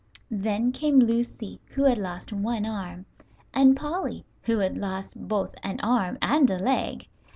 Then came Lucy, who had lost one arm, and Polly, who had lost both an arm and a leg.